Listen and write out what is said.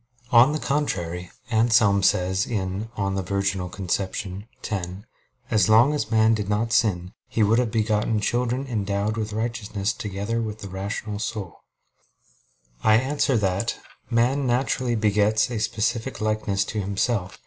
On the contrary, Anselm says (De Concep. Virg. x): "As long as man did not sin, he would have begotten children endowed with righteousness together with the rational soul." I answer that, Man naturally begets a specific likeness to himself.